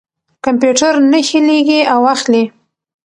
کمپیوټر نښې لېږي او اخلي.